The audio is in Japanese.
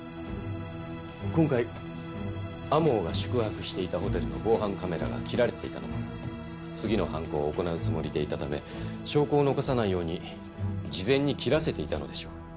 今回天羽が宿泊していたホテルの防犯カメラが切られていたのも次の犯行を行うつもりでいたため証拠を残さないように事前に切らせていたのでしょう。